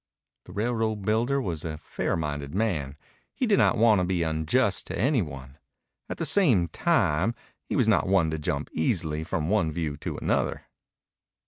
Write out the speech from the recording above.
The railroad builder was a fair minded man. He did not want to be unjust to any one. At the same time he was not one to jump easily from one view to another.